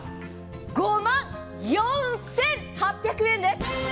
５万４８００円です！